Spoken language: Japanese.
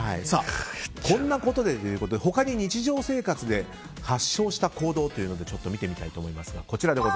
こんなことで！？ということで他に、日常生活で発症した行動を見てみたいと思います。